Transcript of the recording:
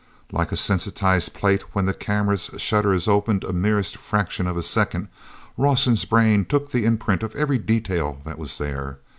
Like a sensitized plate when the camera's shutter is opened a merest fraction of a second, Rawson's brain took the imprint of every detail that was there.